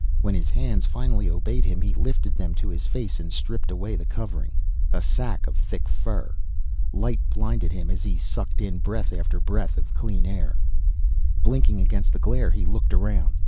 When his hands finally obeyed him he lifted them to his face and stripped away the covering, a sack of thick fur. Light blinded him as he sucked in breath after breath of clean air. Blinking against the glare, he looked around.